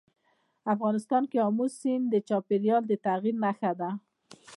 افغانستان کې آمو سیند د چاپېریال د تغیر نښه ده.